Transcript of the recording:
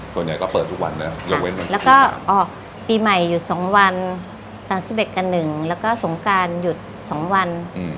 ส่วนใหญ่ก็เปิดทุกวันนะยกเว้นวันแล้วก็ออกปีใหม่หยุด๒วัน๓๑กับ๑แล้วก็สงการหยุด๒วัน